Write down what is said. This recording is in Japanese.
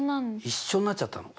一緒になっちゃったの。